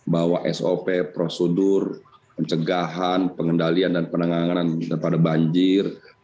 bahwa sop prosedur pencegahan pengendalian dan penanganan daripada banjir